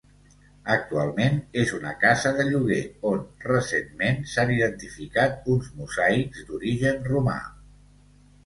Actualment és una casa de lloguer on, recentment, s'han identificat uns mosaics d'origen romà.